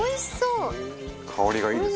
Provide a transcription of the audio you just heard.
齊藤：香りがいいですね。